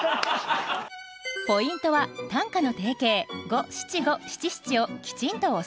ポイントは短歌の定型五七五七七をきちんと押さえること。